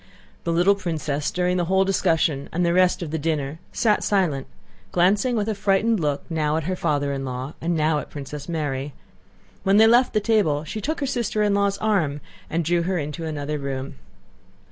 The little princess during the whole discussion and the rest of the dinner sat silent, glancing with a frightened look now at her father in law and now at Princess Mary. When they left the table she took her sister in law's arm and drew her into another room.